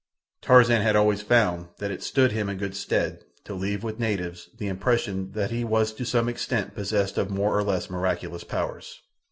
Tarzan had always found that it stood him in good stead to leave with natives the impression that he was to some extent possessed of more or less miraculous powers.